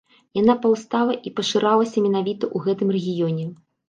Яна паўстала і пашырылася менавіта ў гэтым рэгіёне.